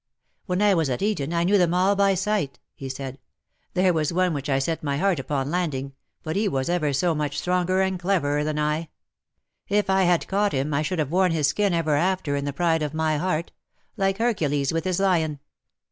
^''When I was at Eton I knew them all by sight/^ he said. ^^ There was one which I set my heart upon landing, but he was ever so much stronger and cleverer than I. If I had caught him I should have worn his skin ever after, in the pride of my heart — like Hercules with his lion.